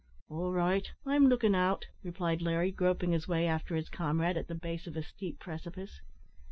"All right; I'm lookin' out," replied Larry, groping his way after his comrade, at the base of a steep precipice.